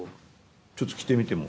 ちょっと着てみても。